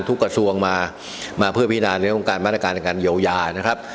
ทุกกระทรวงมาเพื่อพินาศในโครงการมาตรการเยอะยานะครับ